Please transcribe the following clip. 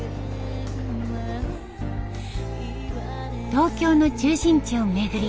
東京の中心地を巡り